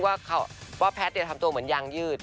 ว่าแพทย์ทำตัวเหมือนยางยืด